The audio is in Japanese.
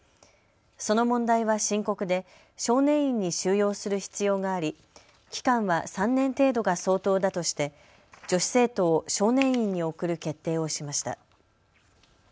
その問題は深刻で少年院に収容する必要があり期間は３年程度が相当だとして女子生徒を少年院に送る決定をしました。